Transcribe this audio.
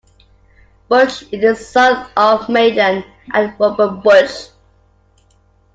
Busch is the son of Madeline and Robert Busch.